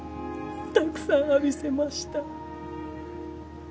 たくさん浴びせました